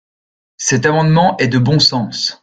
Cet amendement est de bon sens.